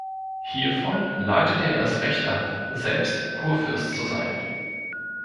Hiervon leitete er das Recht ab, selbst Kurfürst zu sein.